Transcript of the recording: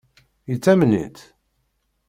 Yettamen-itt?